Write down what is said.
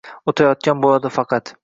oʼtayotgan boʼladi faqat